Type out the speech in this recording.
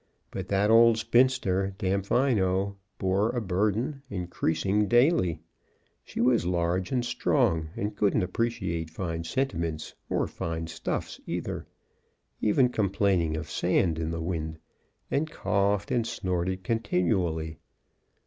But that old spinster, Damfino, bore a burden, increasing daily. She was large and strong, and couldn't appreciate fine sentiments, or fine stuffs either, even complaining of sand in the wind, and coughed and snorted continually.